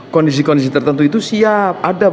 kondisi kondisi tertentu itu siap ada